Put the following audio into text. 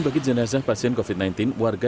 bagi jenazah pasien covid sembilan belas warga